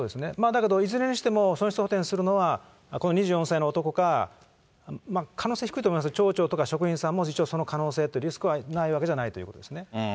だけどいずれにしても、損失補填するのは、この２４歳の男か、可能性低いと思いますが、町長とか職員さんも実はその可能、リスクはないわけじゃないということですね。